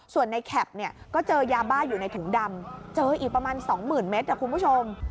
ส่วนในแคปเนี่ยก็เจอยาบ้าอยู่ในถุงดำเจออีกประมาณ๒๐๐๐เมตรคุณผู้ชม